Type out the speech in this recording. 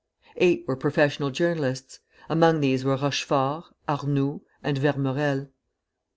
Eight were professional journalists. Among these were Rochefort, Arnould, and Vermorel.